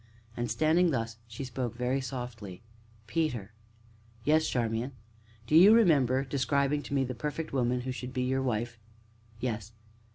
And standing thus, she spoke, very softly: "Peter." "Yes, Charmian?" "Do you remember describing to me the the perfect woman who should be your wife?" "Yes."